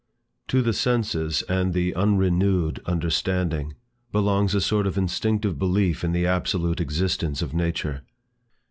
To the senses and the unrenewed understanding, belongs a sort of instinctive belief in the absolute existence of nature.